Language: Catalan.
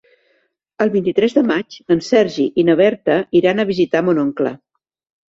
El vint-i-tres de maig en Sergi i na Berta iran a visitar mon oncle.